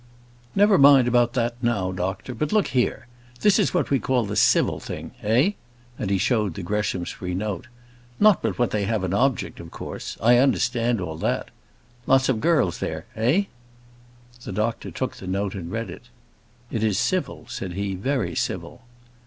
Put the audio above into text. "Never mind about that now, doctor, but look here. This is what we call the civil thing eh?" and he showed the Greshamsbury note. "Not but what they have an object, of course. I understand all that. Lots of girls there eh?" The doctor took the note and read it. "It is civil," said he; "very civil."